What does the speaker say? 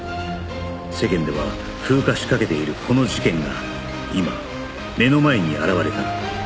世間では風化しかけているこの事件が今目の前に現れた